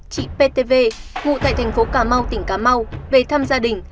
chị ptv ngụ tại thành phố cà mau tỉnh cà mau về thăm gia đình